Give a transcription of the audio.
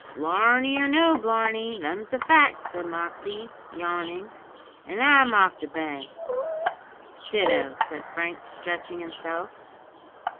"Blarney or no blarney, them's the facts," said Moxey, yawning, "an' I'm off to bed." "Ditto," said Frank, stretching himself.